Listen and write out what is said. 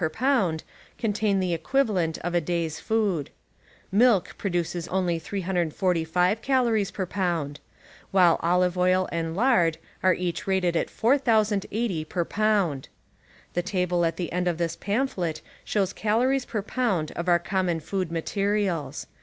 10 pound contain the equivalent of a day's food. Milk ))roduees only 315 calories per pound, while olive oil and lard are each rated at 1080 per pound. The table at the end of this pamphlet shows calories per jiound of our common food materials.